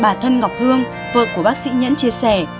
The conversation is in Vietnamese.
bà thân ngọc hương vợ của bác sĩ nhẫn chia sẻ